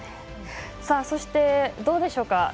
そして、どうでしょうか。